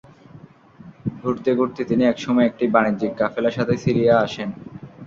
ঘুরতে ঘুরতে তিনি এক সময় একটি বাণিজ্যিক কাফেলার সাথে সিরিয়া আসেন।